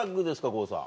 郷さん。